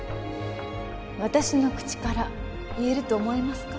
私の口から言えると思いますか？